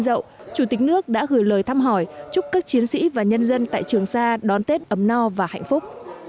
chủ tịch nước đã gửi lời thăm hỏi chúc các chiến sĩ và nhân dân tại trường sa đón tết ấm no và hạnh phúc